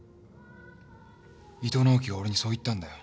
伊藤直季が俺にそう言ったんだよ。